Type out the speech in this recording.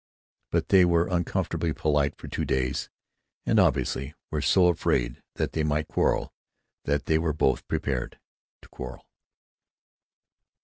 But they were uncomfortably polite for two days, and obviously were so afraid that they might quarrel that they were both prepared to quarrel.